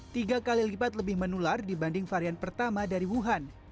tiga kali lipat lebih menular dibanding varian pertama dari wuhan